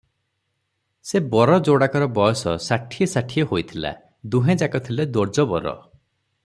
ସେ ବର ଯୋଡ଼ାକର ବୟସ ଷାଠିଏ ଷାଠିଏ ହୋଇଥିଲା, ଦୁହେଁଯାକ ଥିଲେ ଦୋଜବର ।